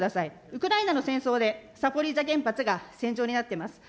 ウクライナの戦争でザポリージャ原発が戦場になっています。